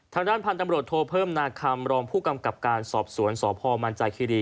ทางด้านพันธุ์ตำรวจโทเพิ่มนาคำรองผู้กำกับการสอบสวนสพมันจาคิรี